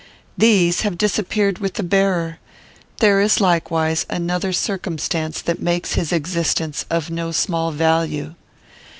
These have disappeared with the bearer. There is likewise another circumstance that makes his existence of no small value.